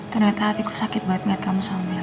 ternyata hatiku sakit banget ngeliat kamu sama bella